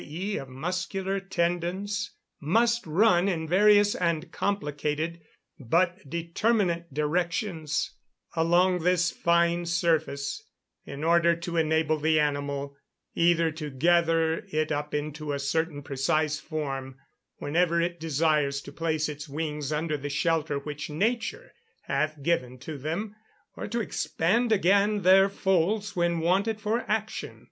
e._ of muscular tendons, must run in various and complicated, but determinate directions, along this fine surface, in order to enable the animal, either to gather it up into a certain precise form, whenever it desires to place its wings under the shelter which nature hath given to them, or to expand again their folds when wanted for action.